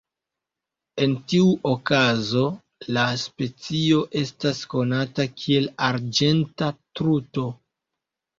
En tiu okazo la specio estas konata kiel "arĝenta truto".